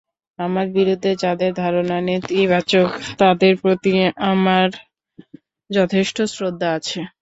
আমার বিরুদ্ধে যাদের ধারণা নেতিবাচক, তাদের প্রতি আমার আমার যথেষ্ট শ্রদ্ধা আছে।